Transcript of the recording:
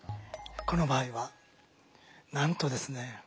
この場合はなんとですね